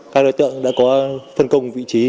các đối tượng đã có phân công vị trí